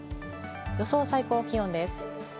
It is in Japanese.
予想最高気温です。